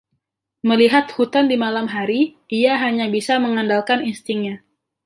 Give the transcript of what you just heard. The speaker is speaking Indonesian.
Melihat hutan di malam hari, ia hanya bisa mengandalkan instingnya.